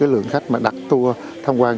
lượng khách đặt tour tham quan